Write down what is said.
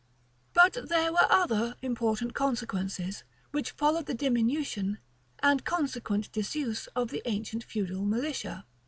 But there were other important consequences, which followed the diminution and consequent disuse of the ancient feudal militia.